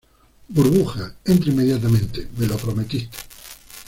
burbuja, entra inmediatamente. me lo prometiste.